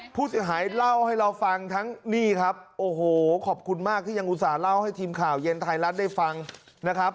ผู้เสียหายเล่าให้เราฟังทั้งนี่ครับโอ้โหขอบคุณมากที่ยังอุตส่าห์เล่าให้ทีมข่าวเย็นไทยรัฐได้ฟังนะครับ